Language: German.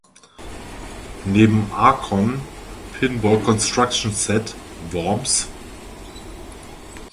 Neben Archon, Pinball Construction Set, Worms?